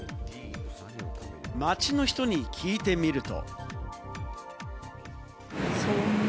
街の人に聞いてみると。